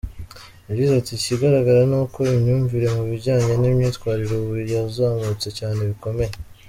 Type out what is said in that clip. Yagize ati “Ikigaragara ni uko imyumvire mu bijyanye n’imyitwarire ubu yazamutse cyane bikomeye.